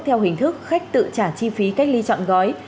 theo hình thức khách tự trả chi phí cách ly chọn gói